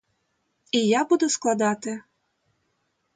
І я буду складати?